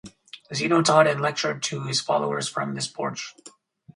Zeno taught and lectured to his followers from this porch.